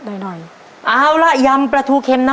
ก็มันรสเปรี้ยวเข็มมันมีครบบางทีก็เผ็ดนิดหน่อย